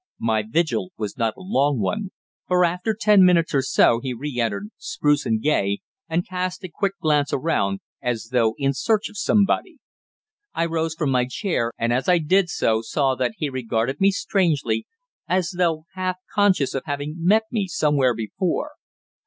My vigil was not a long one, for after ten minutes or so he re entered, spruce and gay, and cast a quick glance around, as though in search of somebody. I rose from my chair, and as I did so saw that he regarded me strangely, as though half conscious of having met me somewhere before.